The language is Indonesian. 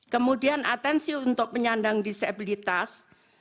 kemudian atensi untuk penyandang disabilitas